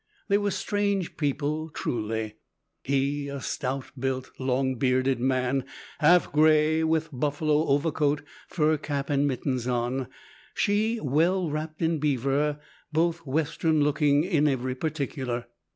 They were strange people, truly. He a stout built, long bearded man, half gray, with buffalo overcoat, fur cap and mittens on; she well wrapped in beaver; both Western looking in every particular.